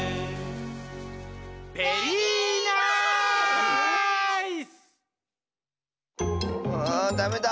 「ベリーナいす！」はあダメだ。